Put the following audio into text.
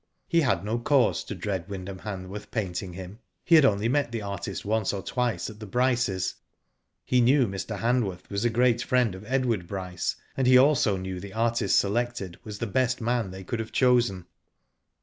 He had no cause to dread Wyndham Hanworth painting him. He had only met the artist once or twice at the Bryces. He knew Mr. Han worth was a great friend of Edward Bryce, and he also knew the artist selected was the best man they could have chosen.